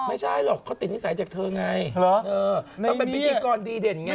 ไม่ใช่หรอกเขาติดนิสัยจากเธอไงเขาเป็นพิธีกรดีเด่นไง